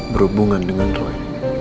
berhubungan dengan roy